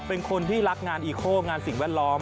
เป็นคนที่รักงานอีโคลงานสิ่งแวดล้อม